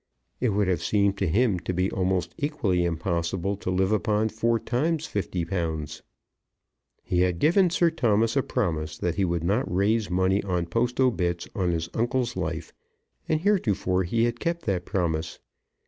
It would have seemed to him to be almost equally impossible to live upon four times fifty pounds. He had given Sir Thomas a promise that he would not raise money on post obits on his uncle's life, and hitherto he had kept that promise.